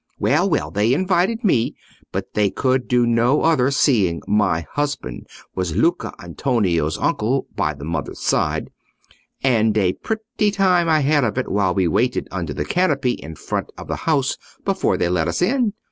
Well, well, they invited me—but they could do no other, seeing my husband was Luca Antonio's uncle by the mother's side—and a pretty time I had of it while we waited under the canopy in front of the house, before they let us in.